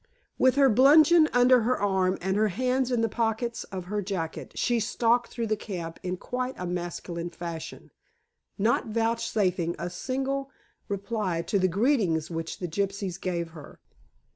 With her bludgeon under her arm and her hands in the pockets of her jacket, she stalked through the camp in quite a masculine fashion, not vouchsafing a single reply to the greetings which the gypsies gave her.